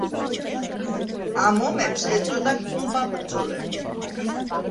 ამ ომებს ეწოდა კუმბა ბრძოლები.